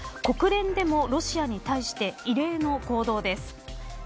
国連でもロシアに対して異例の行動です。